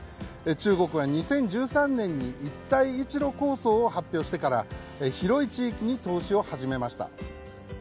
中国が２０１３年に一帯一路構想を発表してから広い地域に投資を始めました。